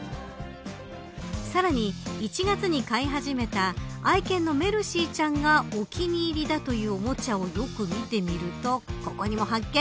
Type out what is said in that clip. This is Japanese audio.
さらに、１月に飼い始めた愛犬のメルシーちゃんがお気に入りだというおもちゃをよく見てみるとここにも発見。